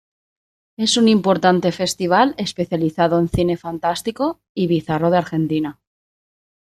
Es un importante festival especializado en cine fantástico y bizarro de Argentina.